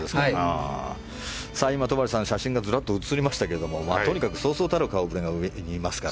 今、戸張さん写真がずらっと写りましたがとにかく、そうそうたる顔ぶれが見えますから。